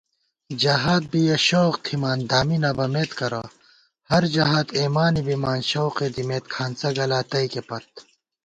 جہاد بی یَہ شوق تھِمان دامی نہ بَمېت کرہ * ہر جہاد ایمانے بِمان شوقے دِمېت کھانڅہ گلا تئیکےپت